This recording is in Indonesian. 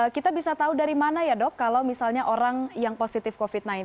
kita bisa tahu dari mana ya dok kalau misalnya orang yang positif covid sembilan belas